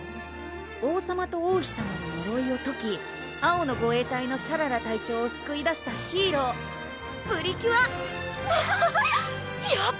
「王さまと王妃さまののろいをとき青の護衛隊のシャララ隊長をすくい出したヒーロー・プリキュア！」やば！